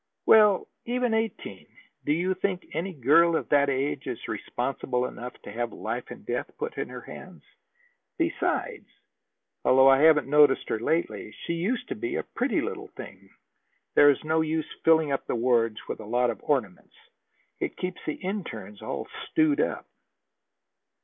"Well, even eighteen. Do you think any girl of that age is responsible enough to have life and death put in her hands? Besides, although I haven't noticed her lately, she used to be a pretty little thing. There is no use filling up the wards with a lot of ornaments; it keeps the internes all stewed up."